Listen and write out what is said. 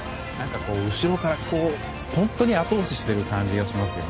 後ろから本当に後押ししている感じがしますね。